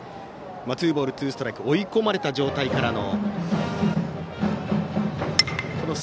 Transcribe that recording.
ツーボールツーストライク追い込まれた状態からの。